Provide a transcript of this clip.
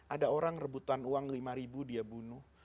ada orang rebutan uang lima ribu dia bunuh